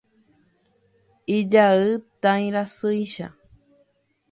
Ijay tãi rasýicha.